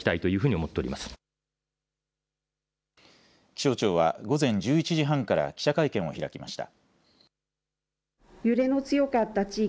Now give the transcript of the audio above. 気象庁は午前１１時半から記者会見を開きました。